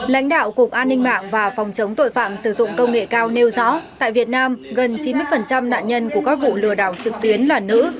lãnh đạo cục an ninh mạng và phòng chống tội phạm sử dụng công nghệ cao nêu rõ tại việt nam gần chín mươi nạn nhân của các vụ lừa đảo trực tuyến là nữ